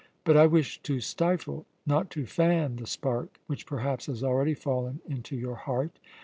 But I wish to stifle, not to fan, the spark which perhaps has already fallen into your heart.